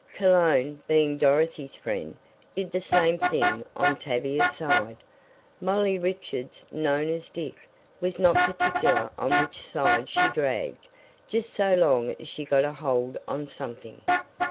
Cologne, being Dorothy's friend, did the same thing on Tavia's side, Molly Richards, known as Dick, was not particular on which side she dragged, just so long as she got a hold on something.